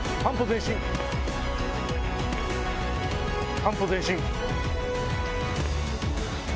半歩前進。